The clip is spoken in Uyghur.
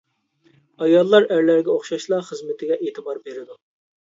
ئاياللار ئەرلەرگە ئوخشاشلا خىزمىتىگە ئېتىبار بېرىدۇ.